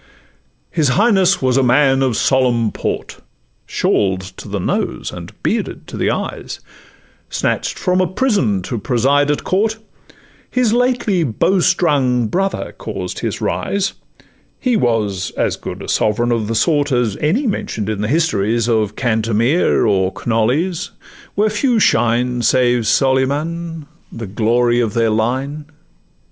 His Highness was a man of solemn port, Shawl'd to the nose, and bearded to the eyes, Snatch'd from a prison to preside at court, His lately bowstrung brother caused his rise; He was as good a sovereign of the sort As any mention'd in the histories Of Cantemir, or Knolles, where few shine Save Solyman, the glory of their line.